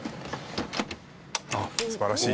あっ素晴らしい。